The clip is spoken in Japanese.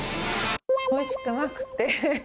おいしくなくって。